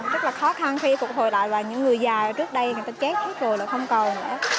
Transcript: rất là khó khăn khi phục hồi lại và những người già trước đây người ta chết hết rồi là không còn nữa